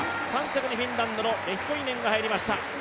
３着にフィンランドのレヒコイネンが入りました。